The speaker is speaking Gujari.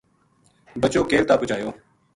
بَچو کیل تا پوہچایو